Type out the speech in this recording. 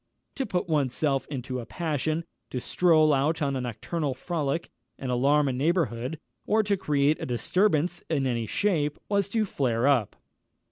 To put one's self into a passion; to stroll out on a nocturnal frolic, and alarm a neighbourhood, or to create a disturbance in any shape, was to flare up.